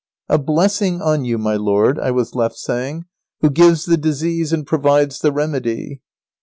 "A blessing on you, my lord," I was left saying, "who gives the disease and provides the remedy."